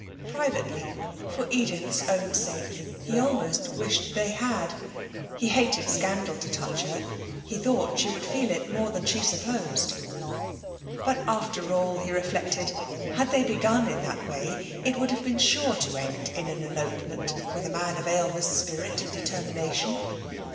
Privately, for Edith's own sake he almost wished they had. He hated scandal to touch her; he thought she would feel it more than she supposed. But, after all, he reflected, had they begun in that way it would have been sure to end in an elopement, with a man of Aylmer's spirit and determination.